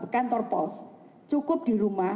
kantor pos cukup di rumah